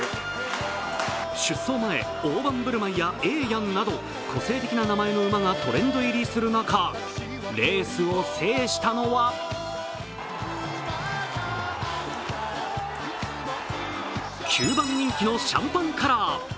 出走前、オオバンブルマイやエエヤンなど個性的な名前の馬がトレンド入りする中、レースを制したのは９番人気のシャンパンカラー。